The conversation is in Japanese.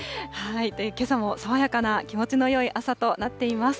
けさも爽やかな気持ちのよい朝となっています。